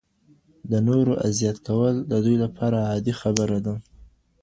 د نورو اذیت کول د دوی لپاره عادي خبره ده.